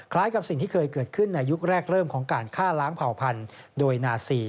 กับสิ่งที่เคยเกิดขึ้นในยุคแรกเริ่มของการฆ่าล้างเผ่าพันธุ์โดยนาซี